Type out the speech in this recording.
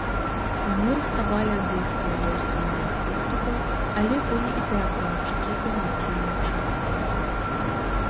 Мы рыхтавалі англійскую версію маіх выступаў, але былі і перакладчыкі эмацыйнай часткі.